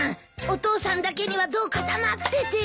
お父さんだけにはどうか黙ってて！